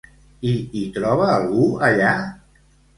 I hi troba algú allà?